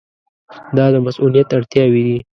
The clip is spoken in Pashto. دا د مصونیت اړتیاوې دي.